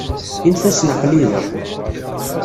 Init-asent aql-i da.